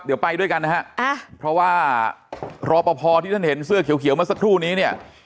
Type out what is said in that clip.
เดี๋ยวไปด้วยกันนะฮะเพราะว่ารอปภที่ท่านเห็นเสื้อเขียวเมื่อสักครู่นี้เนี่ย